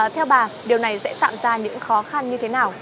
theo bà điều này sẽ tạm ra những khó khăn như thế này